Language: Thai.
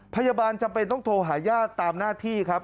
พยาบาลจำเป็นต้องโทรหาย่าตามหน้าที่ครับ